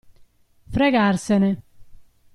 Fregarsene.